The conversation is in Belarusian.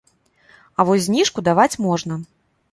А вось зніжку даваць можна.